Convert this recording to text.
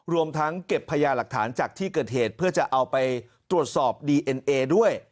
รวมทั้งเก็บพยาหลักฐานจากที่เกิดเหตุเพื่อจะเอาไปตรวจสอบดีเอ็นเอด้วย